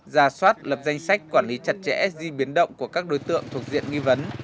ra soát lập danh sách quản lý chặt chẽ di biến động của các đối tượng thuộc diện nghi vấn